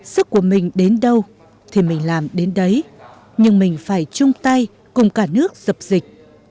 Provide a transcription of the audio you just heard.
sức của mình đến đâu thì mình làm đến đấy nhưng mình phải chung tay cùng cả nước dập dịch